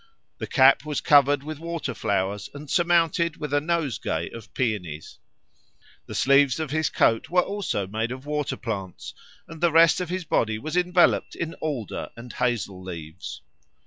The cap was covered with water flowers and surmounted with a nosegay of peonies. The sleeves of his coat were also made of water plants, and the rest of his body was enveloped in alder and hazel leaves.